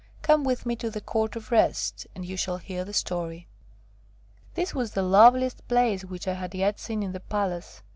"Come with me to the Court of Rest, and you shall hear the story." This was the loveliest place which I had yet seen in the palace.